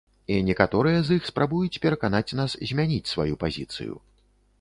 І некаторыя з іх спрабуюць пераканаць нас змяніць сваю пазіцыю.